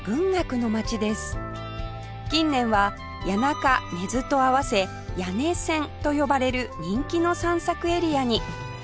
近年は谷中根津と合わせ谷根千と呼ばれる人気の散策エリアに